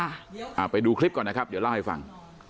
อ่าไปดูคลิปก่อนนะครับเดี๋ยวเล่าให้ฟัง